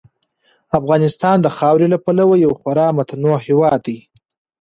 افغانستان د خاورې له پلوه یو خورا متنوع هېواد دی.